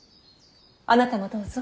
あなたもどうぞ。